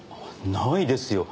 ないですよ。